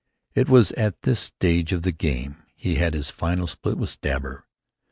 It was at this stage of the game he had his final split with Stabber.